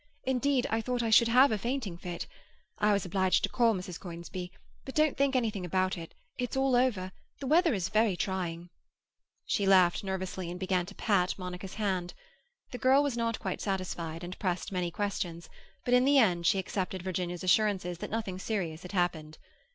Indeed, I thought I should have a fainting fit. I was obliged to call Mrs. Conisbee—But don't think anything about it. It's all over. The weather is very trying—" She laughed nervously and began to pat Monica's hand. The girl was not quite satisfied, and pressed many questions, but in the end she accepted Virginia's assurances that nothing serious had happened.